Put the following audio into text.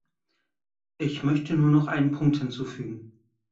Ich möchte nur noch einen Punkt hinzufügen.